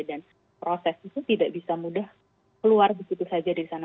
dan proses itu tidak bisa mudah keluar begitu saja dari sana